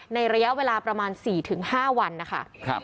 ในระยะเวลาประมาณ๔๕วันนะคะ